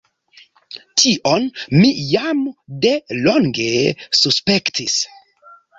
Tion mi jam de longe suspektis.